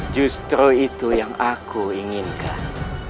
justru itu yang aku inginkan